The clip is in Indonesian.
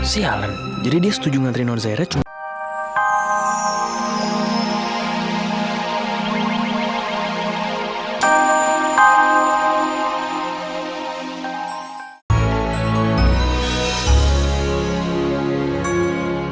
sialan jadi dia setuju nganterin orang zaira cuma